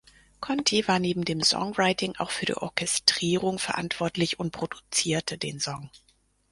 Conti war neben dem Songwriting auch für die Orchestrierung verantwortlich und produzierte den Song.